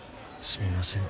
すみません。